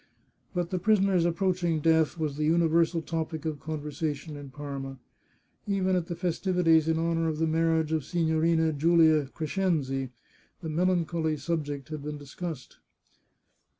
But the prisoner's approaching death was the universal topic of conversation in Parma. Even at the festivities in honour of the marriage of Sigtiorina Julia Crescenzi, the melancholy subject had been discussed.